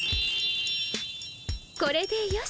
これでよし。